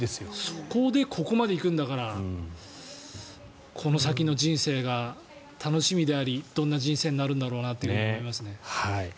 そこでここまでいくんだからこの先の人生が楽しみでありどんな人生になるんだろうなって思いますね。